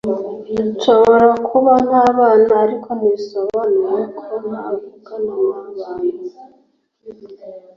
Nshobora kuba ntabana ariko ntibisobanura ko ntavugana nabantu